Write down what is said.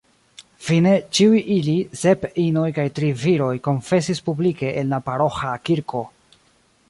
Fine, ĉiuj ili, sep inoj kaj tri viroj, konfesis publike en la paroĥa kirko.